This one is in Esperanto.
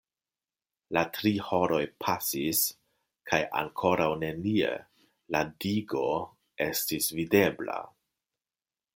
La tri horoj pasis kaj ankoraŭ nenie "la digo" estis videbla.